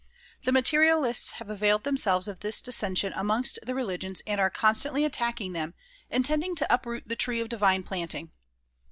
The materialists have availed themselves of this dissension amongst the religions and are constantly attacking them, intending to uproot the tree of divine planting.